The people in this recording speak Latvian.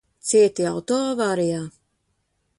Cieti auto avārijā?